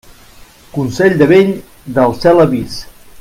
Consell de vell, del cel avís.